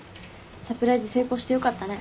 サプライズ成功してよかったね。